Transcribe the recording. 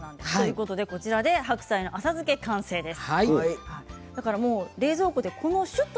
これで白菜の浅漬けが完成です。